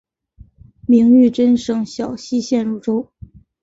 明玉珍省小溪县入州。